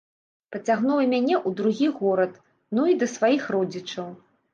Пацягнула мяне ў другі горад, ну і да сваіх родзічаў.